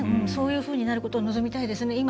そういうふうになることを望みたいです。